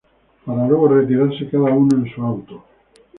Para luego retirarse cada uno en su auto.